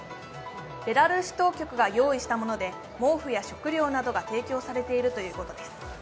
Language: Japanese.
ベラルーシ当局が用意したもので毛布や食料などが提供されているということです。